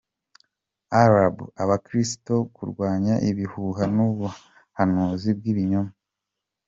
Araaba abakristo kurwanya ibihuha n’ubuhanuzi bw’ibinyoma.